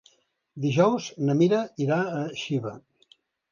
Dijous na Mira irà a Xiva.